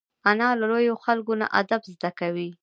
انا له لویو خلکو نه ادب زده کوي